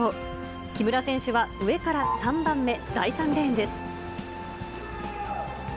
木村選手は、上から３番目、第３レーンです。